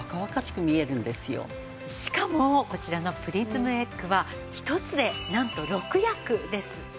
しかもこちらのプリズムエッグは１つでなんと６役です。